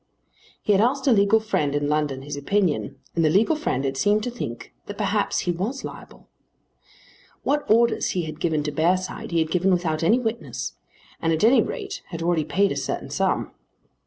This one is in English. He had asked a legal friend in London his opinion, and the legal friend had seemed to think that perhaps he was liable. What orders he had given to Bearside he had given without any witness, and at any rate had already paid a certain sum.